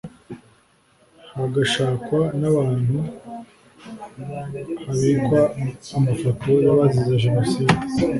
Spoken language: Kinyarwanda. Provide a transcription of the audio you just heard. hagashakwa n’ahantu habikwa amafoto y’abazize Jenoside